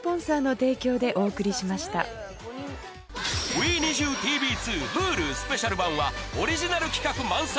『ＷｅＮｉｚｉＵ！ＴＶ２』Ｈｕｌｕスペシャル版はオリジナル企画満載